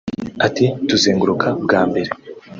ati “Tuzenguruka bwa mbere